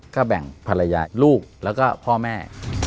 ก็แบ่งภรรยาลูกแล้วก็พ่อแม่